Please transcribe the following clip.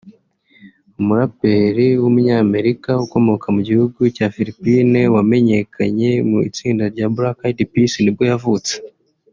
umuraperi w’umunyamerika ukomoka mu gihugu cya Philippines wamenyekanye mu itsinda rya Black Eyed Peas nibwo yavutse